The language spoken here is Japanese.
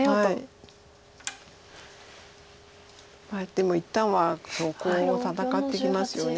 でも一旦はコウを戦ってきますよね。